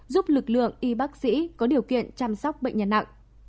giúp lực lượng y bác sĩ có điều kiện chăm sóc bệnh nhân nặng